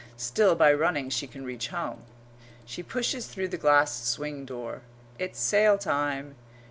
Still by running she can reach home. She pushes through the glass swing door. It's sale time.